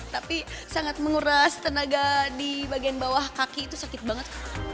tapi sangat menguras tenaga di bagian bawah kaki itu sakit banget